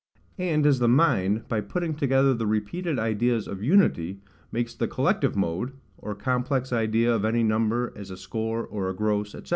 And as the mind, by putting together the repeated ideas of unity, makes the collective mode, or complex idea, of any number, as a score, or a gross, &c.